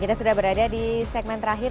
kita sudah berada di segmen terakhir